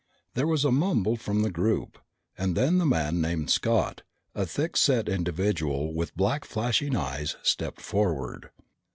There was a mumble from the group and then the man named Scott, a thick set individual with black flashing eyes, stepped forward.